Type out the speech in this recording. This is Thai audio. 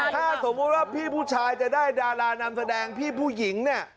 ถ้าสมมุติว่าพี่ผู้ชายจะได้ดารานำแสดงพี่ผู้หญิงเนี่ย